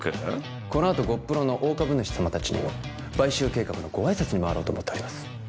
このあとゴップロの大株主様たちにも買収計画のご挨拶に回ろうと思っております